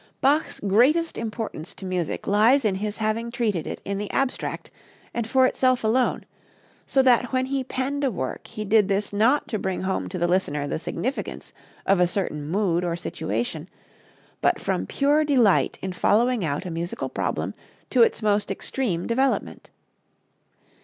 Bach's greatest importance to music lies in his having treated it in the abstract and for itself alone, so that when he penned a work he did this not to bring home to the listener the significance of a certain mood or situation, but from pure delight in following out a musical problem to its most extreme development.